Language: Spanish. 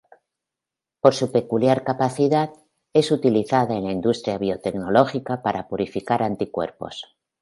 Por su peculiar capacidad, es usada en la industria biotecnológica para purificar anticuerpos.